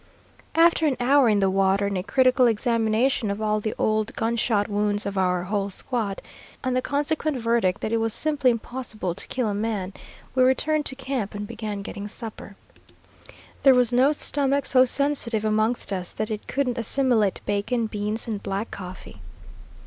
After an hour in the water and a critical examination of all the old gun shot wounds of our whole squad, and the consequent verdict that it was simply impossible to kill a man, we returned to camp and began getting supper. There was no stomach so sensitive amongst us that it couldn't assimilate bacon, beans, and black coffee.